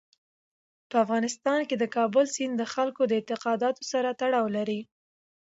په افغانستان کې د کابل سیند د خلکو د اعتقاداتو سره تړاو لري.